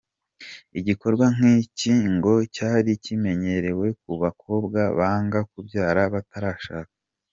Igikorwa nk’iki ngo cyari kimenyerewe ku bakobwa banga kubyara batarashaka.